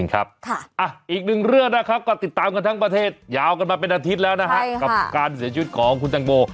อีกหนึ่งเรื่องนะครับก็ติดตามกันทั้งประเทศยาวกันมาเป็นอาทิตย์แล้วนะฮะกับการเสียชีวิตของคุณตังโม